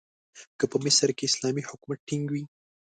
که په مصر کې اسلامي حکومت ټینګ وي.